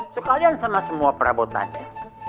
sekalian sama semua perabotannya